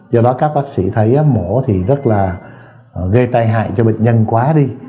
do đó các bác sĩ thấy mổ thì rất là gây tai hại cho bệnh nhân quá đi